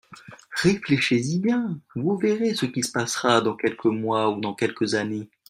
Réfléchissez-y bien : vous verrez ce qui se passera dans quelques mois ou dans quelques années.